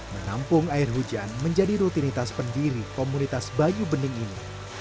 menampung air hujan menjadi rutinitas pendiri komunitas bayu bening ini